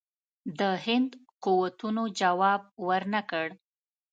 د هند قوتونو جواب ورنه کړ.